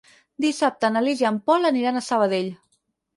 Dissabte na Lis i en Pol aniran a Sabadell.